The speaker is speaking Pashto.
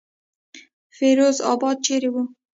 فیروز آباد چېرې وو.